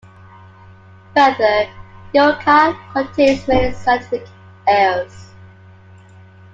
Further, "Eureka" contains many scientific errors.